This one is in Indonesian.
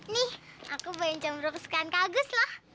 nih aku bayangin cemuruk kesukaan kak agus loh